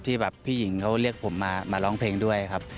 ที่แบบพี่หญิงเขาเรียกผมมาร้องเพลงด้วยครับ